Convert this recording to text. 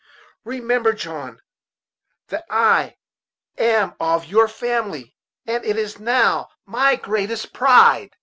Remember, John, that I am of your family, and it is now my greatest pride."